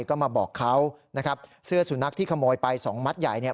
ก็มาบอกเขานะครับเสื้อสุนัขที่ขโมยไปสองมัดใหญ่เนี่ย